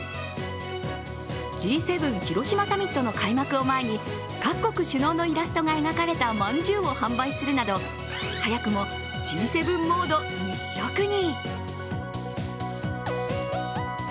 Ｇ７広島サミットの開幕を前に各国首脳のイラストが描かれたまんじゅうを販売するなど、早くもＧ７モード一色に。